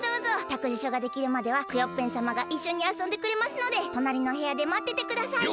たくじしょができるまではクヨッペンさまがいっしょにあそんでくれますのでとなりのへやでまっててください。